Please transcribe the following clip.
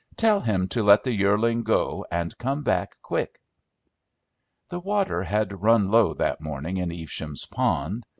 Tell him to let the yearling go and come back quick." The water had run low that morning in Evesham's pond.